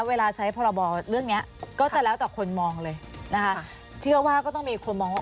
เวลาใช้พรบเรื่องเนี้ยก็จะแล้วแต่คนมองเลยนะคะเชื่อว่าก็ต้องมีคนมองว่า